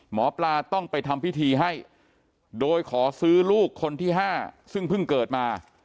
หมอปลาต้องไปทำพิธีให้โดยขอซื้อลูกคนที่๕ซึ่งเพิ่งเกิดมา